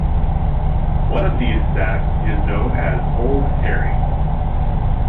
One of these stacks is known as Old Harry.